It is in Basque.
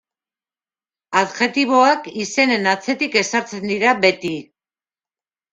Adjektiboak izenen atzetik ezartzen dira beti.